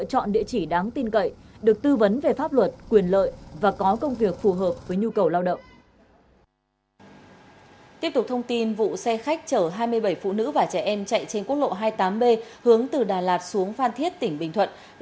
hãy đăng ký kênh để nhận thông tin nhất